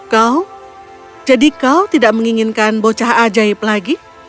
kau jadi kau tidak menginginkan bocah ajaib lagi